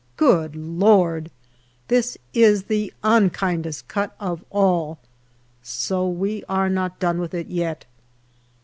Good Lord ! This is the unkindest cut of all. So we are not done with it yet.